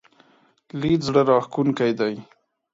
لید زړه راښکونکی دی.